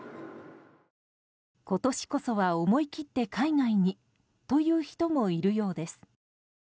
今年こそは思い切って海外にという人もいるようです。